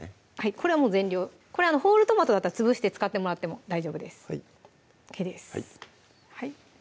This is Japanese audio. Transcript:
これはもう全量これホールトマトだったら潰して使ってもらっても大丈夫ですＯＫです